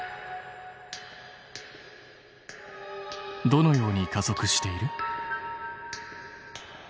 どのように加速している？